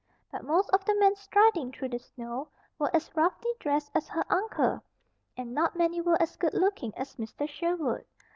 But most of the men striding through the snow were as roughly dressed as her uncle, and not many were as good looking as Mr. Sherwood.